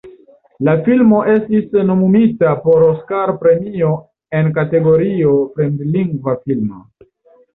La filmo estis nomumita por Oskar-premio en kategorio "fremdlingva filmo".